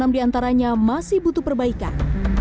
sembilan puluh enam diantaranya masih butuh perbaikan